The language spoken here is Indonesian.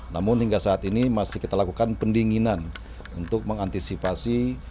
namun hingga saat ini masih kita lakukan pendinginan untuk mengantisipasi